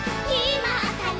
まったね！